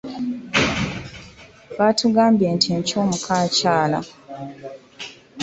Batugambye nti enkya omukko akyala.